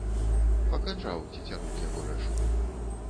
Пакачаў, цецярук яго рэж.